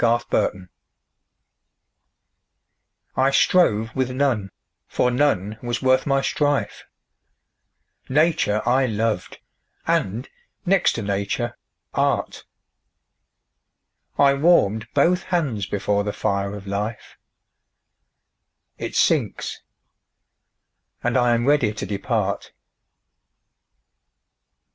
9 Autoplay I strove with none, for none was worth my strife: Nature I loved, and, next to Nature, Art: I warm'd both hands before the fire of Life; It sinks; and I am ready to depart.